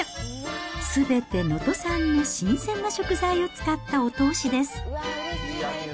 すべて能登産の新鮮な食材を使ったお通しです。